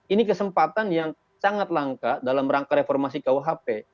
ini kesempatan yang sangat langka dalam rangka reformasi kuhp